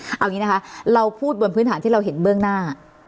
เอาอย่างนี้นะคะเราพูดบนพื้นฐานที่เราเห็นเบื้องหน้า